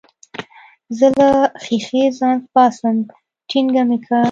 زه له ښيښې ځان باسم ټينګه مې که.